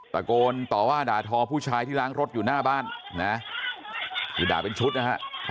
ตะโกนต่อว่าด่าทอผู้ชายที่ล้างรถอยู่หน้าบ้านนะคือด่าเป็นชุดนะฮะ